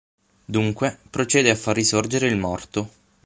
Dunque procede a far risorgere il morto.